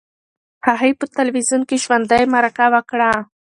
هغې په تلویزیون کې ژوندۍ مرکه وکړه.